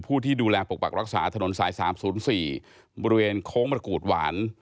ผู้ที่ดูแลปกปักรักษาถนนสายสามศูนย์สี่บริเวณโค๊มประกูธหวาน